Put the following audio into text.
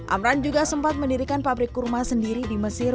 amran juga sempat mendirikan pabrik kurma sendiri di mesir